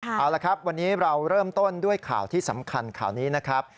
เอาละครับวันนี้เราเริ่มต้นด้วยข่าวที่สำคัญข่าวนี้นะครับ